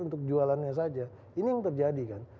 untuk jualannya saja ini yang terjadi kan